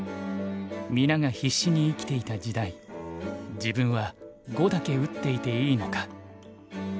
「皆が必死に生きていた時代自分は碁だけ打っていていいのか」。